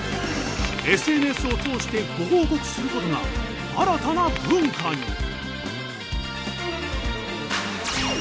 ＳＮＳを通してご報告することが新たな文化に。